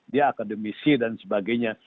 dia akademisi dan sebagainya